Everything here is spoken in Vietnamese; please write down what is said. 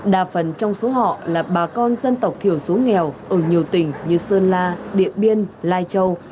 đa phần trong số họ là bà con dân tộc thiểu số nghèo ở nhiều tỉnh như sơn la điện biên lai châu